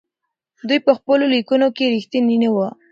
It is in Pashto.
دوی په خپلو ليکنو کې رښتيني نه وو.